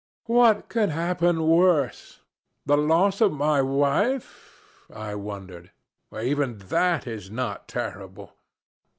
"What can happen worse? The loss of my wife?" I wondered. "Even that is not terrible.